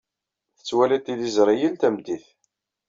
Tettwaliḍ tiliẓri yal tameddit.